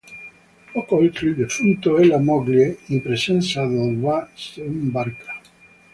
Poco oltre il defunto e la moglie, in presenza del "ba", su una barca.